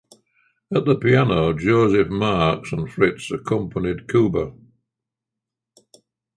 At the piano Joseph Marx and Fritz accompanied Kuba.